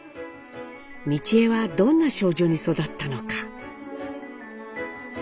美智榮はどんな少女に育ったのか？